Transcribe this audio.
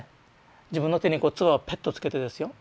自分の手にこう唾をペッとつけてですよ